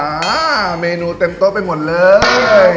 อ่าเมนูเต็มโต๊ะไปหมดเลย